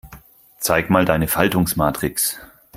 Zeig mal deine Faltungsmatrix.